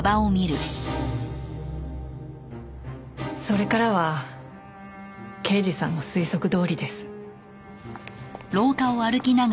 それからは刑事さんの推測どおりです。